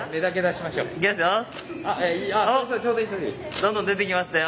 どんどん出てきましたよ。